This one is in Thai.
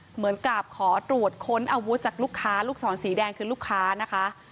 เหมือนกับขอตรวจค้นอาวุธจากลูกค้าลูกศรสีแดงคือลูกค้านะคะ